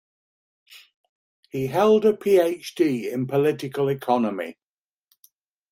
He held a PhD in political economy.